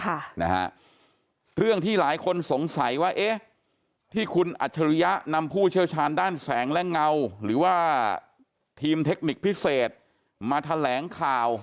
ค่ะนะฮะเรื่องที่หลายคนสงสัยว่าเอ๊ะที่คุณอัจฉริยะนำผู้เชี่ยวชาญด้านแสงและเงาหรือว่าทีมเทคนิคพิเศษมาแถลงข่าว